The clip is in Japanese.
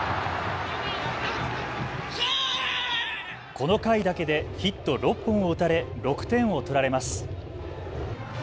この回だけでヒット６本を打たれ６点を取られます。